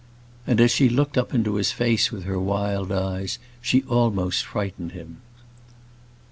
And as she looked up into his face with her wild eyes, she almost frightened him.